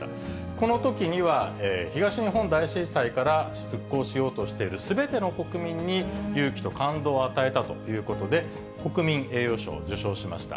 このときには、東日本大震災から復興しようとしているすべての国民に勇気と感動を与えたということで、国民栄誉賞を受賞しました。